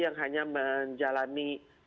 yang hanya menjalani